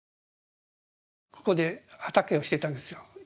ここで畑をしてたんですよ。